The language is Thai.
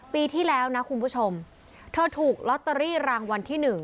ปีที่แล้วนะคุณผู้ชมเธอถูกลอตเตอรี่รางวัลที่๑